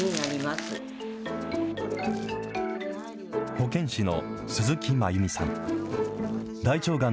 保健師の鈴木眞弓さん。